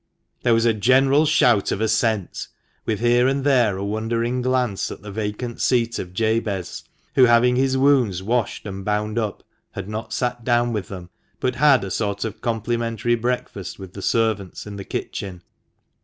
There was a general shout of assent, with here and there a wondering glance at the vacant seat of Jabez, who, having his wounds washed and bound up, had not sat down with them, but had a sort of complimentary breakfast with the servants in the kitchen.